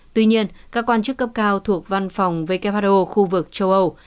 tuy nhiên các quan chức cấp cao thuộc văn phòng who khu vực châu âu